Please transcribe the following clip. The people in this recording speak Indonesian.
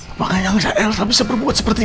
apa gak nyangka elsa bisa berbuat seperti ini